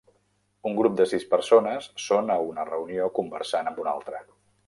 Un grup de sis persones són a una reunió conversant amb una altra.